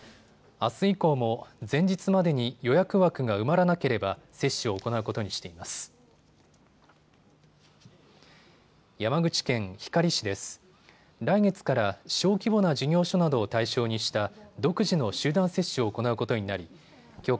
あす以降も前日までに予約枠が埋まらなければ接種を行うことにしています。